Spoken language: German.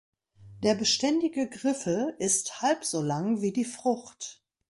Der beständige Griffel ist halb so lang wie die Frucht.